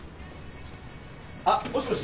あっもしもし。